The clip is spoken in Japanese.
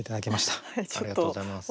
ありがとうございます。